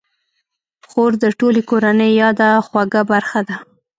خور د ټولې کورنۍ یاده خوږه برخه ده.